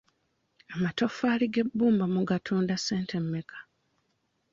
Amatofaali g'ebbumba mugatunda ssente mmeka?